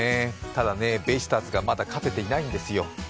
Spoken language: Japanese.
そうね、ただね、ベイスターズがまだ勝てていないんですよ。